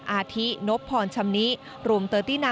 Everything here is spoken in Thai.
อาธินบพรชำนิรูม๓๙